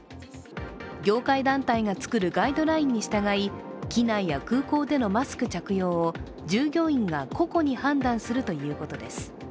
業界団体が作るガイドラインに従い、機内や空港でのマスク着用を従業員が個々の判断するということです。